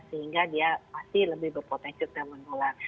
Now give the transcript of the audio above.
sehingga dia pasti lebih berpotensi untuk menular